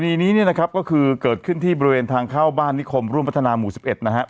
นี้เนี่ยนะครับก็คือเกิดขึ้นที่บริเวณทางเข้าบ้านนิคมร่วมพัฒนาหมู่๑๑นะครับ